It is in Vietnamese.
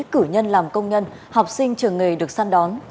cử nhân làm công nhân học sinh trường nghề được săn đón